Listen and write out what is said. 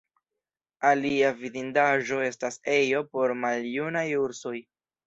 Alia vidindaĵo estas ejo por maljunaj ursoj.